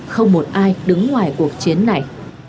không một ai đứng ngoài cuộc chiến này